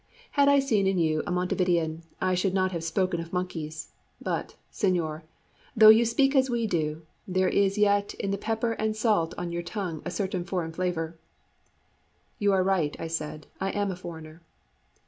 Had I seen in you a Montevidean I should not have spoken of monkeys. But, señor, though you speak as we do, there is yet in the pepper and salt on your tongue a certain foreign flavour." "You are right," I said; "I am a foreigner."